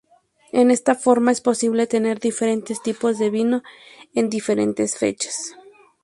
De esta forma es posible tener diferentes tipos de vinos en diferentes fechas.